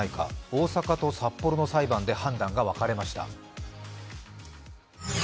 大阪と札幌の裁判で判断が分かれました。